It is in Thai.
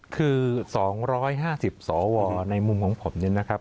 คือ๒๕๐สวในมุมของผมเนี่ยนะครับ